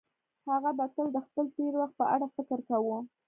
هغه به تل د خپل تېر وخت په اړه فکر کاوه.